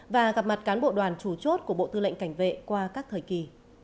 và gặp mặt cán bộ đoàn chủ chốt của bộ tư lệnh cảnh vệ qua các thời kỳ